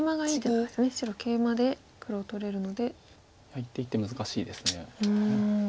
一手一手難しいです。